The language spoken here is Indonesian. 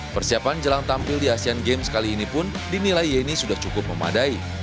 persiapan jelang tampil di asean games kali ini pun dinilai yeni sudah cukup memadai